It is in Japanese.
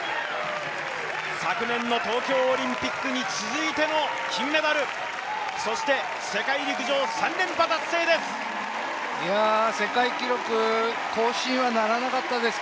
昨年の東京オリンピックに続いての金メダル、そして世界陸上３連覇達成です。